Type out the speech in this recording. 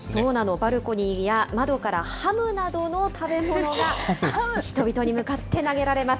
バルコニーや窓からハムなどの食べ物が人々に向かって投げられます。